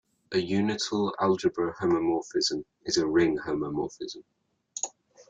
A unital algebra homomorphism is a ring homomorphism.